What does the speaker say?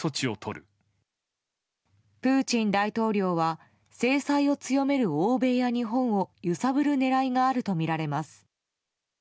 プーチン大統領は制裁を強める欧米や日本を揺さぶる狙いがあるとみられます。